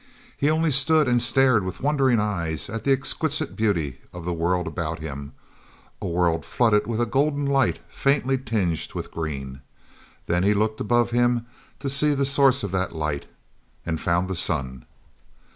He only stood and stared with wondering eyes at the exquisite beauty of the world about him, a world flooded with a golden light, faintly tinged with green. Then he looked above him to see the source of that light and found the sun.